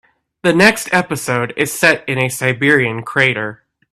The next episode is set in a Siberian crater.